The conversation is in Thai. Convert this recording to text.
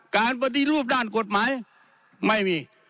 ปฏิรูปด้านกฎหมายไม่มี